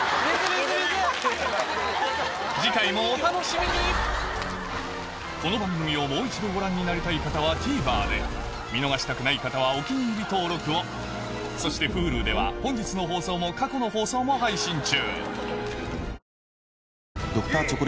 次回もお楽しみにこの番組をもう一度ご覧になりたい方は ＴＶｅｒ で見逃したくない方は「お気に入り」登録をそして Ｈｕｌｕ では本日の放送も過去の放送も配信中